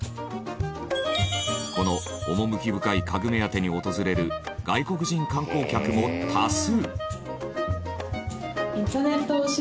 この趣深い家具目当てに訪れる外国人観光客も多数。